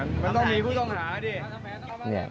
มันต้องมีผู้ต้องหาดิ